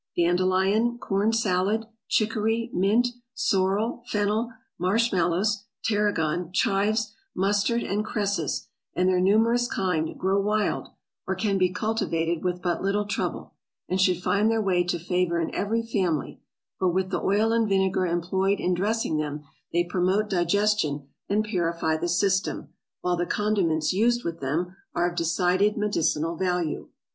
Dandelion, corn salad, chicory, mint, sorrel, fennel, marshmallows, tarragon, chives, mustard, and cresses, and their numerous kind, grow wild, or can be cultivated with but little trouble; and should find their way to favor in every family, for with the oil and vinegar employed in dressing them, they promote digestion, and purify the system; while the condiments used with them are of decided medicinal value.